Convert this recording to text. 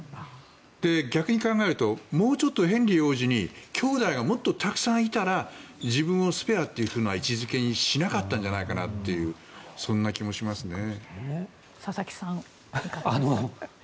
逆に考えるとヘンリー王子に兄弟がたくさんいたら自分をスペアという位置づけにしなかったんじゃないかというそんな気もしますね。